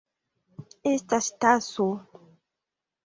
Estas taso.